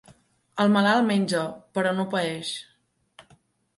El malalt menja, però no paeix.